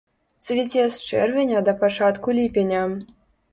Цвіце з чэрвеня да пачатку ліпеня.